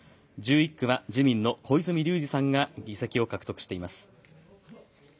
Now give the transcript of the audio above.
１１区は自民の小泉龍司さんが議席を獲得しています。